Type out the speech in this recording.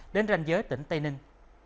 đến ranh giới tỉnh tây ninh